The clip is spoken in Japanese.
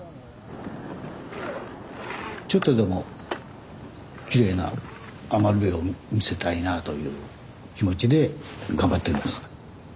ちょっとでもきれいな余部を見せたいなという気持ちで頑張ってます。